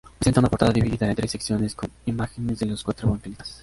Presenta una portada dividida en tres secciones con imágenes de los cuatro evangelistas.